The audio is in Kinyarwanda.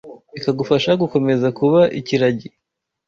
bikagufasha gukomeza kuba ikiragi;